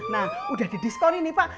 nah udah di diskonin nih pak